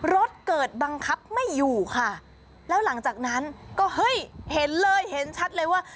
รถเกิดบังคับไม่อยู่ค่ะแล้วหลังจากนั้นก็เฮ้ยเห็นเลยเห็นชัดเลยว่า